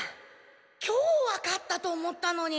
今日は勝ったと思ったのに。